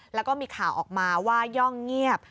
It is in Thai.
แล้วก็มีข่าวออกมาว่าย่องเงียบ